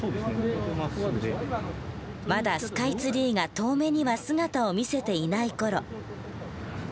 まだスカイツリーが遠目には姿を見せていない頃。